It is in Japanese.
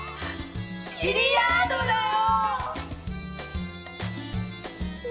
ビリヤードだよ。